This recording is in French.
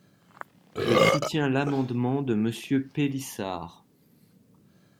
Je soutiens l’amendement de Monsieur Pélissard.